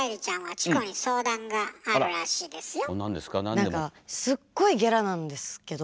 なんかすっごいゲラなんですけど。